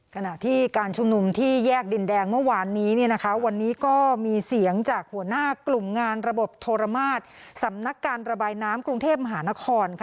ขณะที่การชุมนุมที่แยกดินแดงเมื่อวานนี้วันนี้ก็มีเสียงจากหัวหน้ากลุ่มงานระบบโทรมาศสำนักการระบายน้ำกรุงเทพมหานคร